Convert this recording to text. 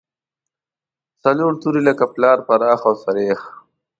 څلور توري لکه پلار، پراخ او سرېښ.